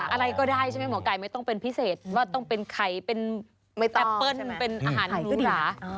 อะไรก็ได้ใช่ไหมหมอไก่ไม่ต้องเป็นพิเศษว่าต้องเป็นไข่เป็นแอปเปิ้ลเป็นอาหารหมูหลา